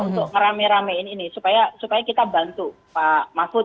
untuk ngerame ramein ini supaya kita bantu pak mahfud